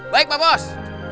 baik pak bos